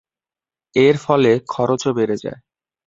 এর ফলে খরচও বেড়ে যায়।